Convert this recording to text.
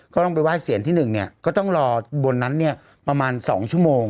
ก็ต้องไปไห้เสียนที่๑เนี่ยก็ต้องรอบนนั้นประมาณ๒ชั่วโมง